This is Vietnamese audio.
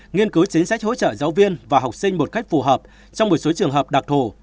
nghiên cứu chính sách hỗ trợ giáo viên và học sinh một cách phù hợp trong một số trường hợp đặc thù